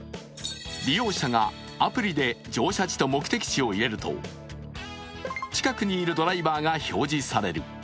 利用者がアプリで乗車地と目的地を入れると近くにいるドライバーが表示される。